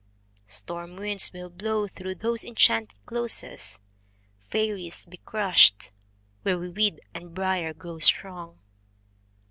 Storm winds will blow through those enchanted closes, Fairies be crushed where weed and briar grow strong